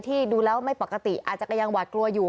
ดูแล้วไม่ปกติอาจจะก็ยังหวาดกลัวอยู่